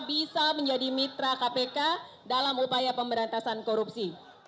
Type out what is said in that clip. bisa menjadi mitra kpk dalam upaya pemberantasan korupsi